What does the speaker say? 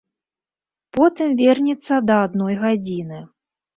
Потым вернецца да адной гадзіны.